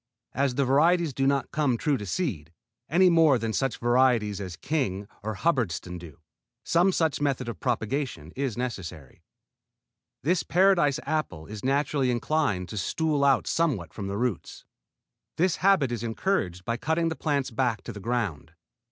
As the variety does not come true to seed, any more than such varieties as King or Hubbardston do, some such method of propagation is necessary. This Paradise apple is naturally inclined to stool out somewhat from the roots. This habit is encouraged by cutting the plants back to the ground.